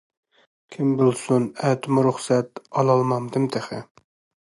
كىم بىلسۇن ئەتىمۇ رۇخسەت ئالالمامدىم تېخى.